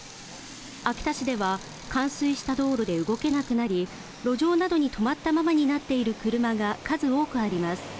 秋田市では冠水した道路で動けなくなり、路上などに止まったままになっている車が数多くあります。